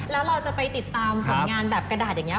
แล้วเราจะไปติดตามผลงานแบบกระดาษอย่างนี้